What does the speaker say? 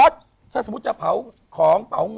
สีเหลืองเหลือง